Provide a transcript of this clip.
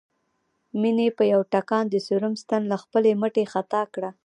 مينې په يوه ټکان د سيروم ستن له خپلې مټې خطا کړه